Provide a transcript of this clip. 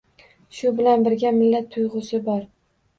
Shu bilan birga millat tuyg‘usi bor.